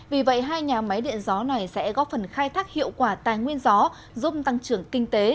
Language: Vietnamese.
vì vậy hai nhà máy điện gió này sẽ góp phần khai thác hiệu quả tài nguyên gió giúp tăng trưởng kinh tế